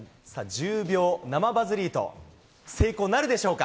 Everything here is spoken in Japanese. １０秒生バズリート、成功なるでしょうか。